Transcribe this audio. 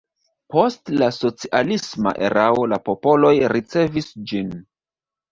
Post la socialisma erao la poloj rericevis ĝin.